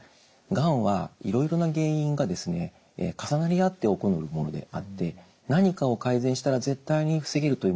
がんはいろいろな原因がですね重なり合って起こるものであって何かを改善したら絶対に防げるというものではありません。